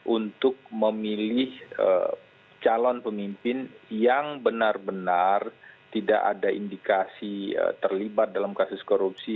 untuk memilih calon pemimpin yang benar benar tidak ada indikasi terlibat dalam kasus korupsi